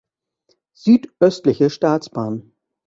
Südöstliche Staatsbahn.